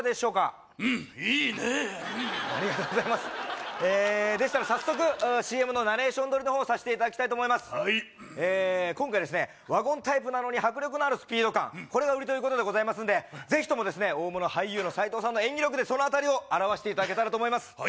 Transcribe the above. うんいいねうんありがとうございますえでしたら早速ＣＭのナレーション録りの方さしていただきたいと思いますはいえ今回ですねワゴンタイプなのに迫力のあるスピード感これが売りということでございますんでぜひともですね大物俳優の斉藤さんの演技力でその辺りを表していただけたらと思います